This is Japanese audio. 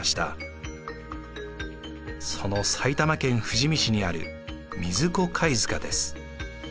その埼玉県富士見市にある水子貝塚です。